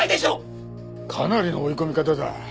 かなりの追い込み方だ。